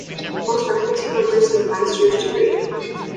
Most faculty members have a master's degree.